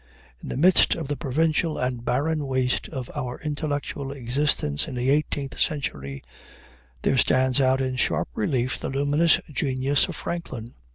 In the midst of the provincial and barren waste of our intellectual existence in the eighteenth century there stands out in sharp relief the luminous genius of Franklin.